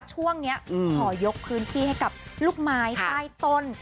ช่วงนี้ขอยกพื้นที่ให้กับลูกไม้ใต้ต้น